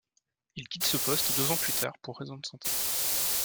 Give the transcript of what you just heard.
Il quitte ce poste deux ans plus tard pour raisons de santé.